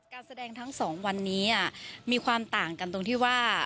การแสดงทั้งสองวันนี้มีความต่างกันตรงที่ว่า